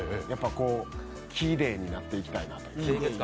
きれいになっていきたいなと。